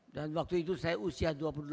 dan waktu itu saya usia dua puluh delapan tahun